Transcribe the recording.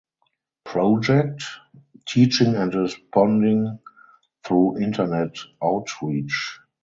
Project (Teaching and Responding Through Internet Outreach).